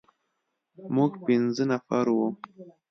موږ پنځه نفر وو.